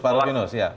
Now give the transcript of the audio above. pak rufinus ya